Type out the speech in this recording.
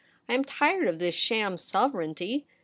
I am tired of this sham sovereignty.